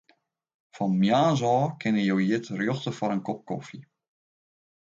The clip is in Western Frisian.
Fan moarns ôf kinne jo hjir terjochte foar in kop kofje.